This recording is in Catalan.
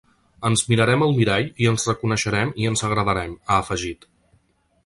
Ens mirarem al mirall i ens reconeixerem i ens agradarem, ha afegit.